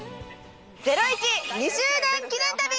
『ゼロイチ』２周年記念旅！